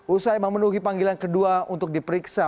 usai memenuhi panggilan kedua untuk diperiksa